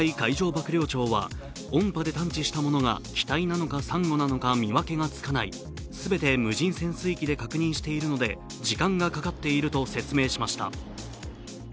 幕僚長は音波で探知したものが機体なのかさんごなのか見分けがつかない、すべて無人潜水機で確認しているので時間がかかっていると説明しました。